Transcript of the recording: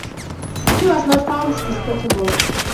He was not found deportable.